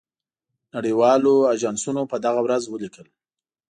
نړۍ والو آژانسونو په دغه ورځ ولیکل.